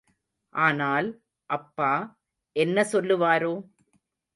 ஆனால், அப்பா என்ன சொல்லுவாரோ?